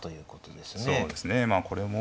そうですねまあこれも。